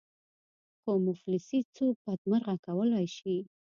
خو مفلسي څوک بدمرغه کولای شي.